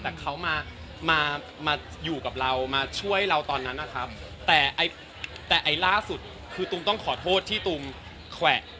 แต่เขามามาอยู่กับเรามาช่วยเราตอนนั้นนะครับแต่ไอ้ล่าสุดคือตุมต้องขอโทษที่ตุมแขวะ